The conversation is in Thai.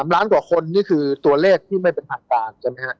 ล้านกว่าคนนี่คือตัวเลขที่ไม่เป็นทางการใช่ไหมฮะ